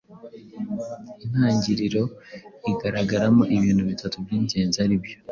Intangiriro igaragaramo ibintu bitatu by’ingenzi ari byo: